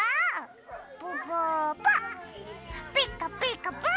「ピカピカブ！」